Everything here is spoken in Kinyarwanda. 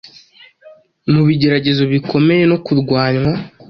Mu bigeragezo bikomeye no kurwanywa,